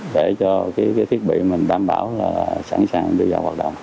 để cho cái thiết bị mình đảm bảo là sẵn sàng đưa vào hoạt động